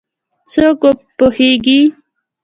څوک پوهیږېي